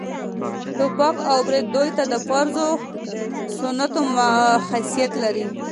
ټوپک او برېت دوى ته د فرض و سنت حيثيت لري.